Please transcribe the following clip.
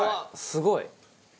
すごい！